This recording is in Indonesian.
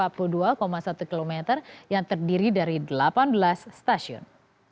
tahap pertama panjang proyek mencapai empat puluh dua satu km yang terdiri dari delapan belas stasiun